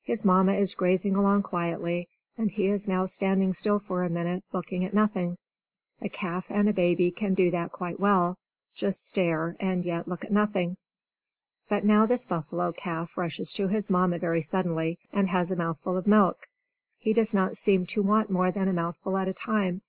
His Mamma is grazing along quietly, and he is now standing still for a minute, looking at nothing. A calf and a baby can do that quite well just stare, and yet look at nothing. But now this buffalo calf rushes to his Mamma very suddenly, and has a mouthful of milk. He does not seem to want more than a mouthful at a time.